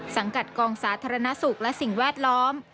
สังกัดกองสาธารณสุขและสิ่งแวดล้อม